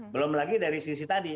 belum lagi dari sisi tadi